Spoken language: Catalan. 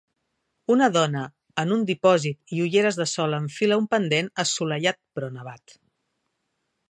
Una dona en un dipòsit i ulleres de sol enfila un pendent assolellat però nevat.